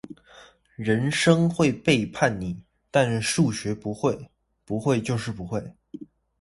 人生會背叛你，但數學不會，不會就是不會